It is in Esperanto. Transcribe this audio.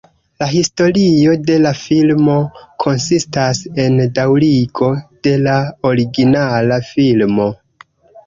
La historio de la filmo konsistas en daŭrigo de la originala filmo.